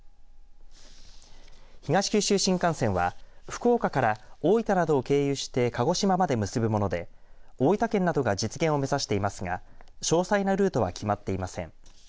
東九州新幹線は福岡から大分までを経由して鹿児島まで結ぶもので大分県などが実現を目指していますが詳細なルートは決まっていません。